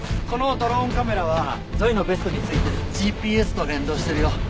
このドローンカメラはゾイのベストに付いてるＧＰＳと連動してるよ。